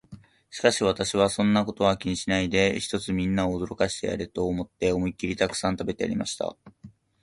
しかし私は、そんなことは気にしないで、ひとつみんなを驚かしてやれと思って、思いきりたくさん食べてやりました。